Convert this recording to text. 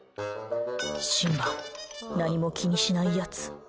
シンバ、何も気にしないやつ。